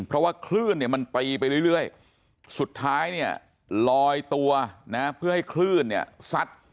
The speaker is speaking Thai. เพราะว่าคลื่นเนี่ยมันตีไปเรื่อยสุดท้ายเนี่ยลอยตัวนะเพื่อให้คลื่นเนี่ยซัด